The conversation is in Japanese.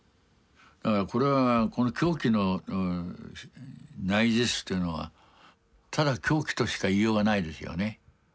これはこの狂気の内実というのはただ狂気としか言いようがないですよね。